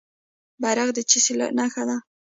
بیرغ د څه شي نښه ده؟